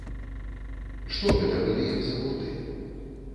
Што гэта былі за гурты?